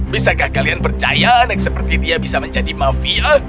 bisakah kalian percaya anak seperti dia bisa menjadi mafia